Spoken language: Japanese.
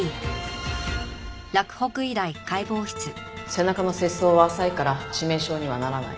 背中の切創は浅いから致命傷にはならない。